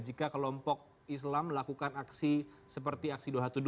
jika kelompok islam melakukan aksi seperti aksi dua ratus dua belas